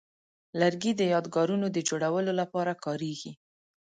لرګی د یادګارونو د جوړولو لپاره کاریږي.